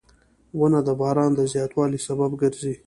• ونه د باران د زیاتوالي سبب ګرځي.